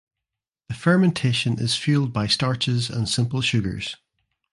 The fermentation is fueled by starches and simple sugars.